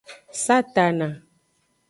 Satana.